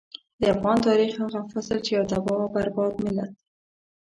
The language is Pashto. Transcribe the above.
د افغان تاريخ هغه فصل چې يو تباه او برباد ملت.